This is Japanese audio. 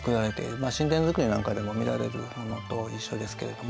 まあ寝殿造なんかでも見られるものと一緒ですけれども。